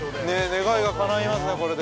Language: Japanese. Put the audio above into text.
◆願いがかないますね、これで。